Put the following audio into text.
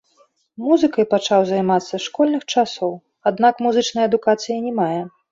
Музыкай пачаў займацца з школьных часоў, аднак музычнай адукацыі не мае.